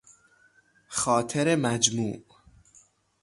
خاطر مجموع